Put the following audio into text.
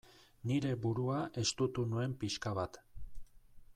Nire burua estutu nuen pixka bat.